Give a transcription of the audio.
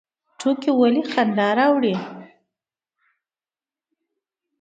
ټوکې ولې خندا راوړي؟